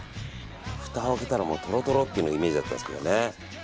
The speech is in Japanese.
ふたを開けたらトロトロっていうイメージだったんですけどね。